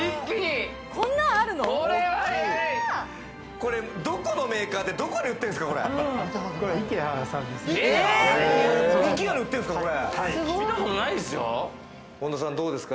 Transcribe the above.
これどこのメーカーで、どこに売ってるんですか？